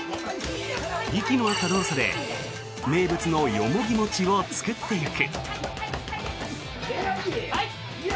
息の合った動作で名物のヨモギ餅を作っていく。